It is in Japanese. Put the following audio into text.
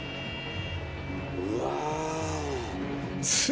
うわ。